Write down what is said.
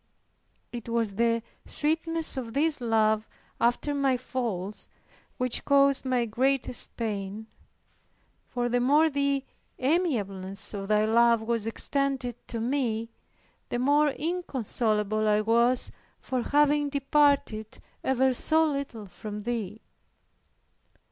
It was the sweetness of this love after my falls which caused my greatest pain; for the more the amiableness of Thy love was extended to me, the more inconsolable I was for having departed ever so little from Thee.